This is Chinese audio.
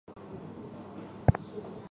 其后改制为中原大学。